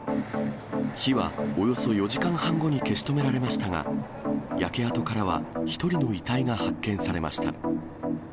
火はおよそ４時間半後に消し止められましたが、焼け跡からは１人の遺体が発見されました。